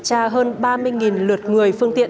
và hơn ba mươi lượt người phương tiện